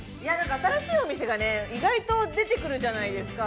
◆新しいお店が意外と出てくるためですか。